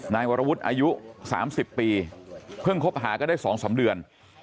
นายวรวุฒิอายุ๓๐ปีเพิ่งคบหากันได้๒๓เดือน